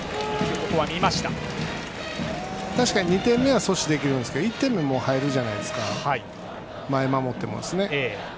確かに２点目は阻止できるんですけど１点でも入るじゃないですか前に守ってもですね。